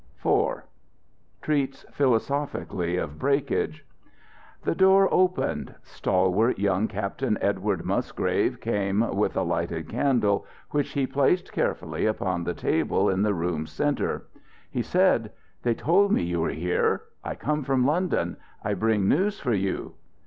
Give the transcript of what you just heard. IV TREATS PHILOSOPHICALLY OF BREAKAGE The door opened. Stalwart young Captain Edward Musgrave came with a lighted candle, which he placed carefully upon the table in the room's centre. He said: "They told me you were here. I come from London. I bring news for you."